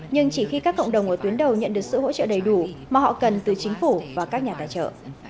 nhưng chỉ khi các cộng đồng ở tuyến đầu nhận được sự hỗ trợ đầy đủ mà họ cần từ chính phủ và các nhà tài trợ